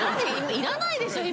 いらないでしょ